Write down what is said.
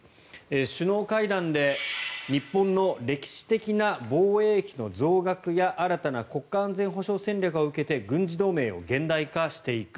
首脳会談で日本の歴史的な防衛費の増額や新たな国家安全保障戦略を受けて軍事同盟を現代化していく。